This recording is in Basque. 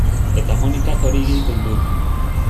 Eta Monikak hori egiten du.